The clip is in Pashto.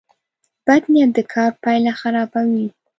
بد نیت د کار پایله خرابوي.